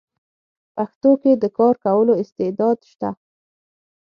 پښتو کې د کار کولو استعداد شته: